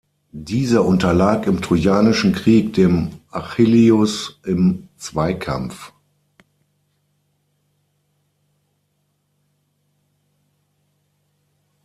Dieser unterlag im Trojanischen Krieg dem Achilleus im Zweikampf.